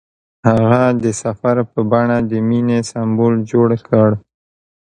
هغه د سفر په بڼه د مینې سمبول جوړ کړ.